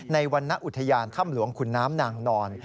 ในวันนาอุทยานคำหลวงคุณน้ำนางนอน